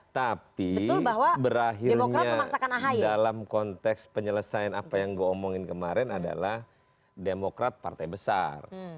tapi berakhirnya dalam konteks penyelesaian apa yang gue omongin kemarin adalah demokrat partai besar